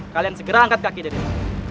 kalian segera angkat kaki dari sini